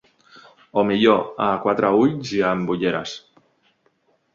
O millor, a quatre ulls i amb ulleres.